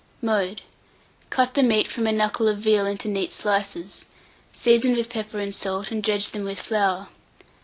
Mode. Cut the meat from a knuckle of veal into neat slices, season with pepper and salt, and dredge them with flour.